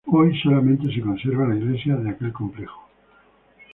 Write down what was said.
Hoy solamente se conserva la iglesia de aquel complejo.